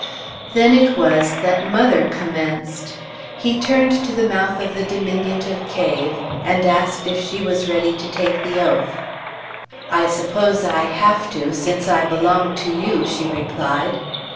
Then it was that mother commenced. He turned to the mouth of the diminutive cave, and asked if she was ready to take the oath. "I suppose I have to, since I belong to you," she replied.